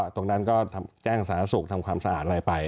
ตรงนั้นก็แจ้งสาธารณสุขทำความสะอาดอะไรไป